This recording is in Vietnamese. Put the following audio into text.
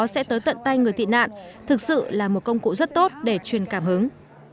sẽ tới tận tay người tị nạn thực sự là một công cụ rất tốt để truyền cảm hứng